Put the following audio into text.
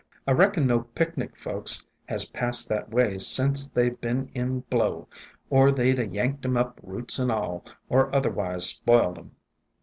I reckon no picnic folks has passed that way sence they 've been in blow, or they 'd a yanked 'em up roots and all, or otherways spoiled 'em."